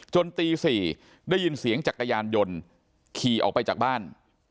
ตี๔ได้ยินเสียงจักรยานยนต์ขี่ออกไปจากบ้าน